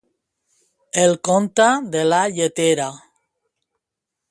El conte de la lletera.